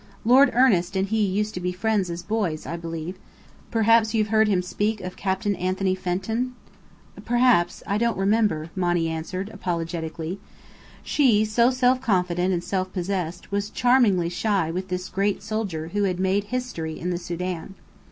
Lord Ernest and he used to be friends as boys, I believe. Perhaps you've heard him speak of Captain Anthony Fenton?" "Perhaps. I don't remember," Monny answered, apologetically. She, so self confident and self possessed, was charmingly shy with this great soldier who had made history in the Sudan.